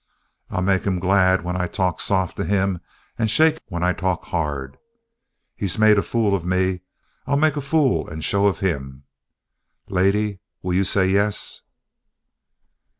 I'll make him glad when I talk soft to him and shake when I talk hard. He's made a fool of me; I'll make a fool and a show of him. Lady, will you say yes?"